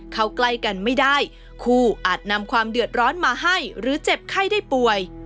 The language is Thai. เข้าใกล้กันไม่ได้คู่อาจนำความเดือดร้อนมาให้หรือเจ็บไข้ได้ป่วย